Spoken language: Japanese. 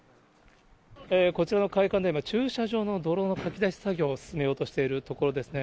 こちらの会館では、今、駐車場の泥のかき出し作業を進めようとしているところですね。